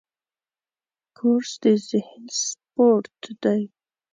کورس د ذهن سپورټ دی.